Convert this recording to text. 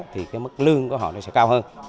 thì mức lương của họ sẽ cao hơn